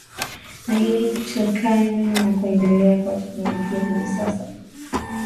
lakini kutokana na kuendelea kwa teknolojia hivi sasa